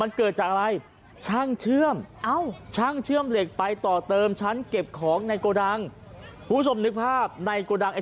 ต่อเติมการเชื่อมันมีสะเก็ดไฟไง